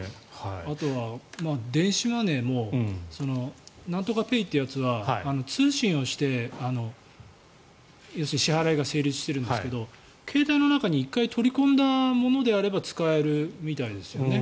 あとは電子マネーもなんとかペイってやつは通信をして要するに支払いが成立しているんですが携帯の中に１回取り込んだものであれば使えるみたいですよね。